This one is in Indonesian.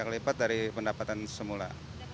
empat kali lipat dari pendapatan semula